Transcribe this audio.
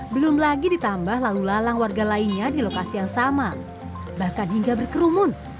belum lagi ditambah lalu lalang warga lainnya di lokasi yang sama bahkan hingga berkerumun